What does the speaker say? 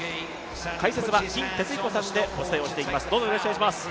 解説は金哲彦さんでお伝えをしていきます。